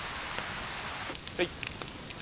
はい。